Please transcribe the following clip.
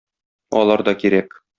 Алар да кирәк.